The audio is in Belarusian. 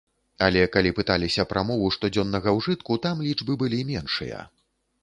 Але калі пыталіся пра мову штодзённага ўжытку, там лічбы былі меншыя.